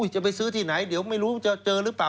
จะไปซื้อที่ไหนเดี๋ยวไม่รู้จะเจอหรือเปล่า